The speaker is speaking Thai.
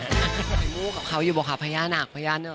ไหล่หู้กับเขาอยู่เปล่าค่ะพระยาหนาค